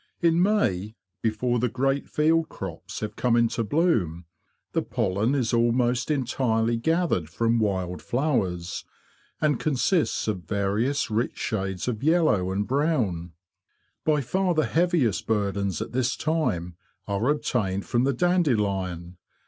In May, before the great field crops have come into bloom, the pollen is almost entirely gathered from wild flowers, and consists of various rich shades of yellow and brown. By far the heaviest burdens at this time are obtained from the dandelion.